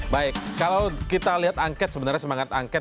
baik kalau kita lihat angket sebenarnya semangat angket